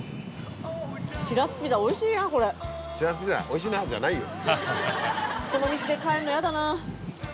「しらすピザおいしいな」じゃないよ。